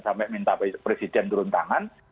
sampai minta presiden turun tangan